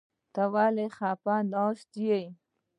ته ولې خپه ناسته يې ؟